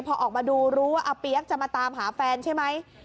พอออกมาดูรู้ว่าอาเปี๊ยกจะมาตามหาแฟนใช่ไหม